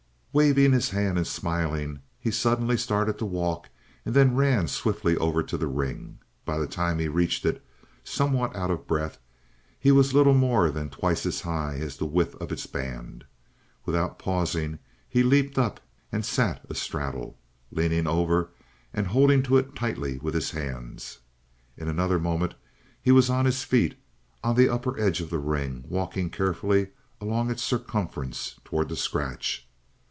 Waving his hand and smiling, he suddenly started to walk and then ran swiftly over to the ring. By the time he reached it, somewhat out of breath, he was little more than twice as high as the width of its band. Without pausing, he leaped up, and sat astraddle, leaning over and holding to it tightly with his hands. In another moment he was on his feet, on the upper edge of the ring, walking carefully along its circumference towards the scratch.